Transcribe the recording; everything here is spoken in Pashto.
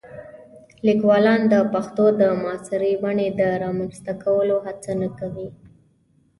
لیکوالان د پښتو د معاصرې بڼې د رامنځته کولو هڅه نه کوي.